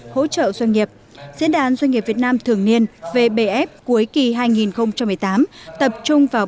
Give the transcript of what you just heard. hỗ trợ doanh nghiệp diễn đàn doanh nghiệp việt nam thường niên vbf cuối kỳ hai nghìn một mươi tám tập trung vào